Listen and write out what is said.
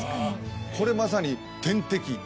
これまさに点滴。